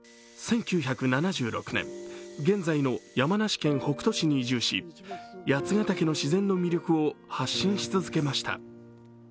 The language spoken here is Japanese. １９７６年、現在の山梨県北杜市に移住し八ヶ岳の自然の魅力を発信し続けました。